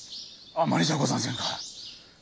あんまりじゃござんせんか！？